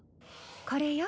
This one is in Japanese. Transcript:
これよ。